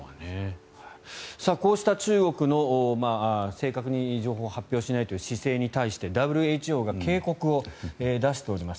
こうした中国の正確に情報を発表しないという姿勢に対してＷＨＯが警告を出しております。